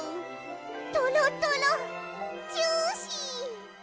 トロトロジューシー。